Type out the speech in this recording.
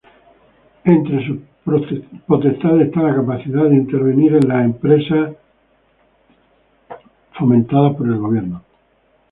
Entre sus potestades está la capacidad de intervenir las government-sponsored enterprises.